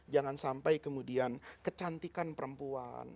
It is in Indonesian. jangan sampai kemudian kecantikan perempuan